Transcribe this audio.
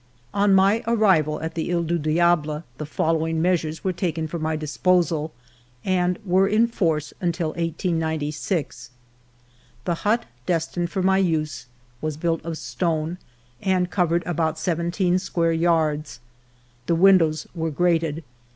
On my arrival at the He du Diable the following ALFRED DREYFUS loi measures were taken for my disposal, and were in force until 1896. The hut destined for my use was built of stone and covered about seventeen square yards. The windows were grated.